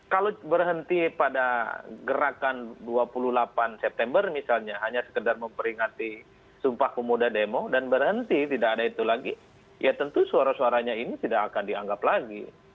kalau berhenti pada gerakan dua puluh delapan september misalnya hanya sekedar memperingati sumpah pemuda demo dan berhenti tidak ada itu lagi ya tentu suara suaranya ini tidak akan dianggap lagi